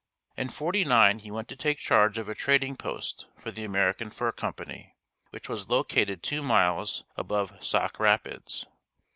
In '49 he went to take charge of a trading post for the American Fur Company which was located two miles above Sauk Rapids.